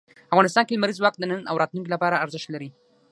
افغانستان کې لمریز ځواک د نن او راتلونکي لپاره ارزښت لري.